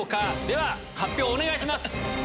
では発表お願いします！